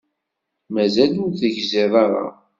Mazal ur tegziḍ ara.